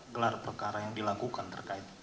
gelar perkara yang dilakukan terkait